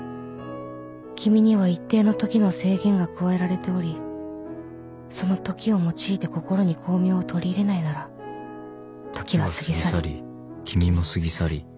「君には一定の時の制限が加えられておりその時を用いて心に光明を取り入れないなら時は過ぎ去り君も過ぎ去り」